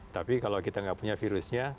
tapi kalau kita nggak punya virusnya